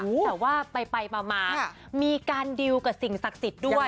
แต่ว่าไปมามีการดิวกับสิ่งศักดิ์สิทธิ์ด้วย